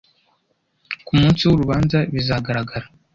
Ku munsi w’urubanza bizagaragara